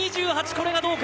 これはどうか。